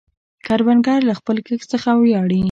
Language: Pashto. کروندګر له خپل کښت څخه ویاړي